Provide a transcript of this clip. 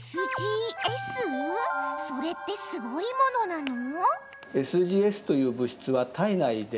それって、すごいものなの？